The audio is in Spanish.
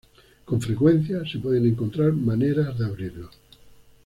con frecuencia se pueden encontrar maneras de abrirlo